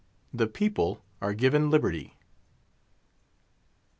"THE PEOPLE" ARE GIVEN "LIBERTY."